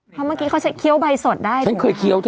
เพราะเมื่อคกเคี้ยวใบสดได้